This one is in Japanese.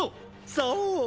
そう♥